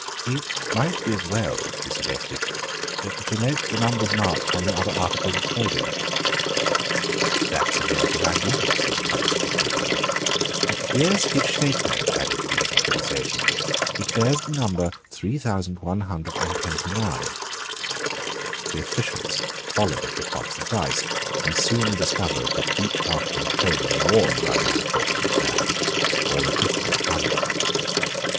"It might be as well," he suggested, "to note the numbers marked on the other articles of clothing." "That is a very good idea," said the commissary, approvingly. "Here is his shako," added the young police agent. "It bears the number 3,129." The officials followed Lecoq's advice, and soon discovered that each article of clothing worn by the unfortunate man bore a different number.